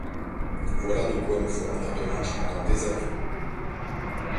Voilà de quoi nous fournir de linge pendant des années